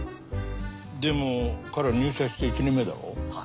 でも彼は入社して１年目だろ？はあ。